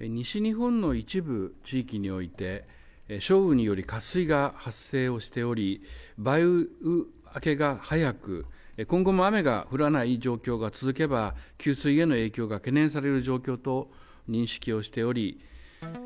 西日本の一部地域において、少雨により渇水が発生をしており、梅雨明けが早く、今後も雨が降らない状況が続けば、給水への影響が懸念される状況と認識をしており。